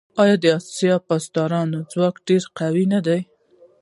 آیا د سپاه پاسداران ځواک ډیر قوي نه دی؟